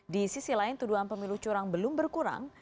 di sisi lain tuduhan pemilu curang belum berkurang